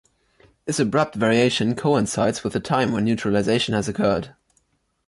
This abrupt variation coincides with the time when neutralization has occurred.